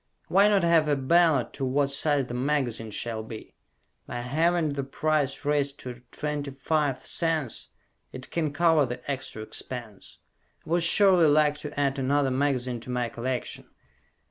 Why not have a ballot to what size the magazine shall be? By having the price raised to 25 cents it can cover the extra expense. I would surely like to add another magazine to my collection.